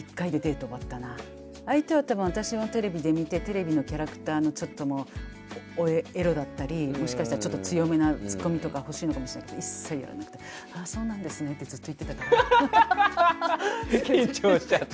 相手は多分私をテレビで見てテレビのキャラクターのちょっともうエロだったりもしかしたらちょっと強めなツッコミとか欲しいのかもしれないけど一切やらなくて緊張しちゃって。